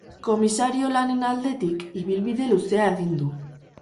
Komisario lanen aldetik, ibilbide luzea egin du.